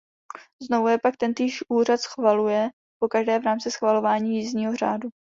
Znovu je pak tentýž úřad schvaluje pokaždé v rámci schvalování jízdního řádu.